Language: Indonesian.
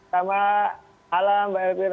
selamat malam mbak elvira